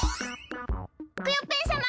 クヨッペンさま！